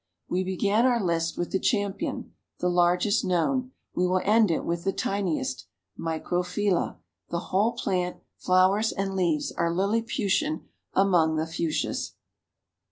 We began our list with the Champion the largest known we will end it with the tiniest, Microphylla, the whole plant, flowers and leaves are Liliputian among the Fuchsias.